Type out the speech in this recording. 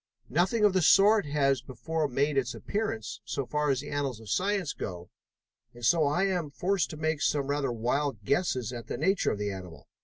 Nothing of the sort has before made its appearance, so far as the annals of science go, and so I am forced to make some rather wild guesses at the nature of the animal.